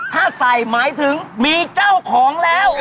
ถ้าใส่หมายถึงมีเจ้าของแล้ว